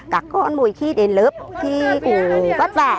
các con mỗi khi đến lớp thì cũng vất vả